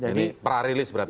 ini prarilis berarti